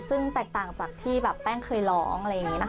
ซึ่งแตกต่างจากที่แป้งเคยร้อง